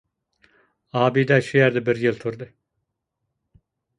ئابىدە شۇ يەردە بىر يىل تۇردى.